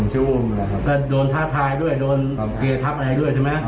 จะโดนท้าทายด้วยโดนเกลียดทัพอะไรด้วยใช่มั้ย